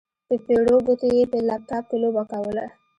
په پېړو ګوتو يې په لپټاپ کې لوبه کوله.